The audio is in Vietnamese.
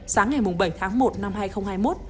sáng ngày bảy tháng một năm hai nghìn hai mươi một